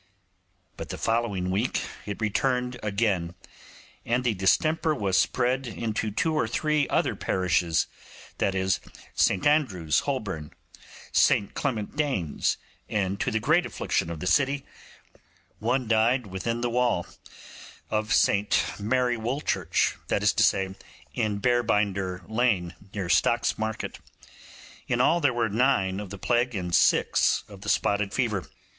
But the following week it returned again, and the distemper was spread into two or three other parishes, viz., St Andrew's, Holborn; St Clement Danes; and, to the great affliction of the city, one died within the walls, in the parish of St Mary Woolchurch, that is to say, in Bearbinder Lane, near Stocks Market; in all there were nine of the plague and six of the spotted fever.